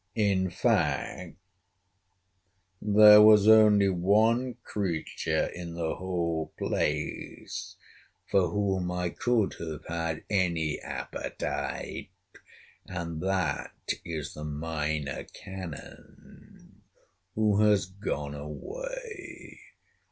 In fact, there was only one creature in the whole place for whom I could have had any appetite, and that is the Minor Canon, who has gone away.